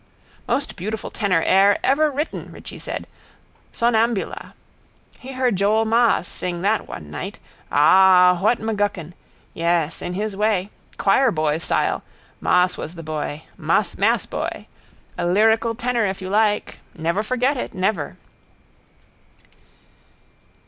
Most beautiful tenor air ever written, Richie said: Sonnambula. He heard Joe Maas sing that one night. Ah, what M'Guckin! Yes. In his way. Choirboy style. Maas was the boy. Massboy. A lyrical tenor if you like. Never forget it. Never.